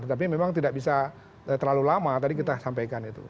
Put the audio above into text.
tetapi memang tidak bisa terlalu lama tadi kita sampaikan itu